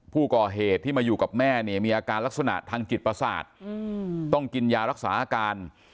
ผู้ก่อเหตุที่มาอยู่กับแม่เนี่ยมีอาการลักษณะทางจิตประสาทต้องกินยารักษาอาการ